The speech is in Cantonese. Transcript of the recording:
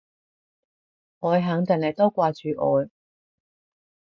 我肯定你都掛住我